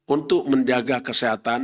untuk menjaga kesehatan